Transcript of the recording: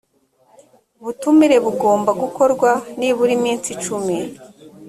butumire bugomba gukorwa nibura iminsi cumi